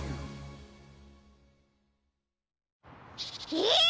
えっ！？